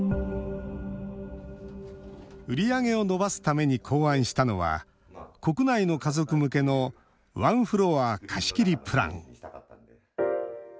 売り上げを伸ばすために考案したのは国内の家族向けのワンフロア貸し切りプラン。